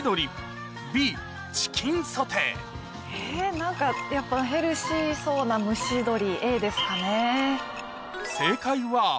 何かやっぱヘルシーそうな蒸し鶏Ａですかね。